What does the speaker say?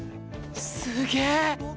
すげえ！